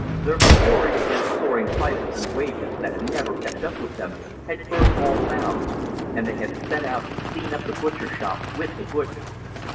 Their fury against soaring prices and wages that never kept up with them, had burst all bounds, and they had set out to clean up the butcher shop with the butcher.